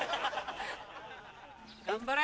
・頑張れ！